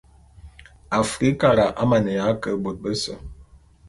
Afrikara a maneya ke bôt bese.